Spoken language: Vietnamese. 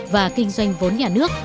và kinh doanh vốn nhà nước